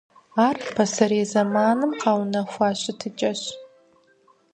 Ар пасэрей зэманым къэунэхуа щытыкӀэщ.